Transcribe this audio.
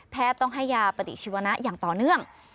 ต้องให้ยาปฏิชีวนะอย่างต่อเนื่อง